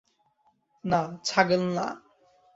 না, ছাগ্যাল না।